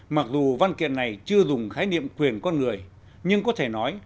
mặc dù văn kiện này chưa dùng khái niệm quyền con người nhưng có thể nói